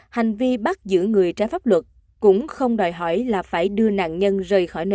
hành vi bắt giữ người trái pháp luật cũng không đòi hỏi là phải đưa nạn nhân rời khỏi nơi